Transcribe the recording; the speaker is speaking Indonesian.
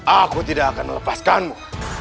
aku tidak akan melepaskanmu